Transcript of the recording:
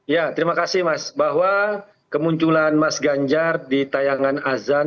ya terima kasih mas bahwa kemunculan mas ganjar di tayangan azan